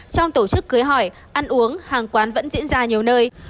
trong tổ chức cưới hỏi ăn uống hàng quán vẫn diễn ra nhiều nơi